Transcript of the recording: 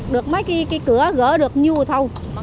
được mấy cái cửa gỡ được nhu thâu